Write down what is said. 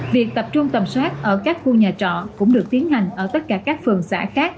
việc tập trung tầm soát ở các khu nhà trọ cũng được tiến hành ở tất cả các phường xã khác